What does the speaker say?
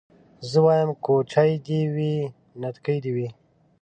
زه وايم کوچۍ دي وي نتکۍ دي وي